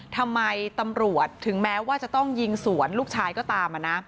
ทำไมตำรวจถึงแม้ว่าจะต้องยิงสวนลูกชายก็ตาม